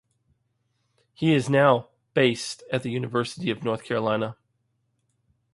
He is now based at the University of North Carolina.